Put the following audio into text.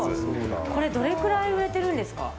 これどれぐらい売れてるんですか。